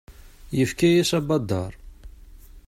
Yefka-yas abadaṛ.